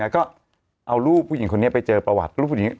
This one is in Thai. ก็เอารูปผู้หญิงคนนี้ไปเจอประวัติ